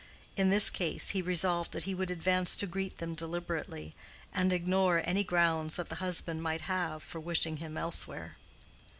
In this case, he resolved that he would advance to greet them deliberately, and ignore any grounds that the husband might have for wishing him elsewhere.